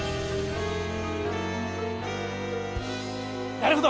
なるほど！